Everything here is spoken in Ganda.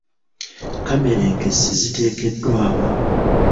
Kkamera enkessi ziteekeddwawo.